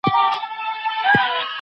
حکومت بايد د ټولو حقونه خوندي کړي.